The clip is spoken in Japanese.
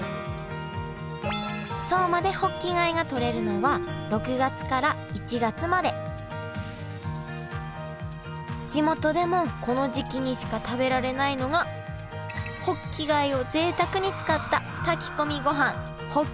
相馬で地元でもこの時期にしか食べられないのがホッキ貝をぜいたくに使った炊き込みごはん